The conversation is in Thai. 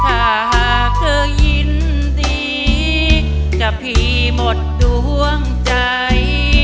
ถ้าหากเธอยินดีจะพี่หมดดวงใจ